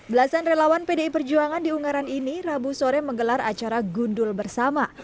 belasan relawan pdi perjuangan di ungaran ini rabu sore menggelar acara gundul bersama